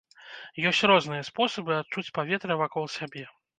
Ёсць розныя спосабы адчуць паветра вакол сябе.